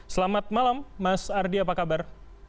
selamat malam mas ardi apa kabar